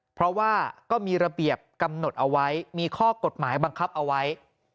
เพราะว่าก็มีระเบียบกำหนดเอาไว้มีข้อกฎหมายบังคับเอาไว้